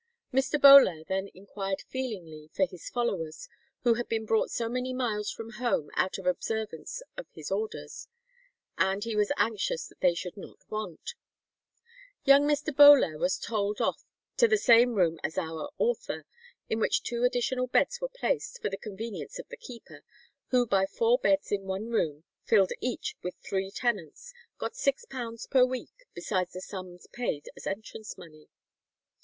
Mr. Bolair then inquired feelingly for his followers, who had been brought so many miles from home out of observance of his orders, and he was anxious that they should not want." Young Mr. Bolair was told off to the same room as our author, in which two additional beds were placed, for the convenience of the keeper, who by four beds in one room, filled each with three tenants, got £6 per week, besides the sums paid as entrance money.